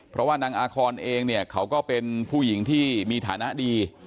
เพราะว่านางอาคอนเองเนี่ยเขาก็เป็นผู้หญิงที่มีฐานะดี